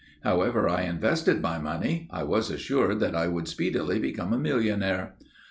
However I invested my money, I was assured that I would speedily become a millionnaire.